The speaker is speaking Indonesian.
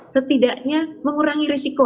setidaknya mengurangi risiko